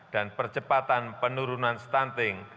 dan percepatan penurunan stunting